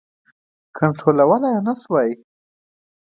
کنټرولولای نه سوای.